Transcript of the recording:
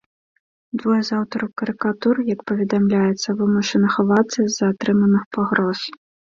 Двое з аўтараў карыкатур, як паведамляецца, вымушаны хавацца з-за атрыманых пагроз.